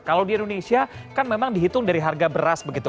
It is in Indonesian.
kalau di indonesia kan memang dihitung dari harga beras begitu